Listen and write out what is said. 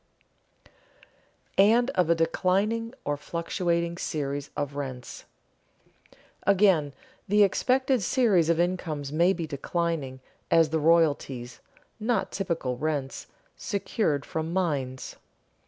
[Sidenote: And of a declining or fluctuating series of rents] Again the expected series of incomes may be declining, as the royalties (not typical rents) secured from mines.